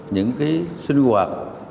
những cái sinh hoạt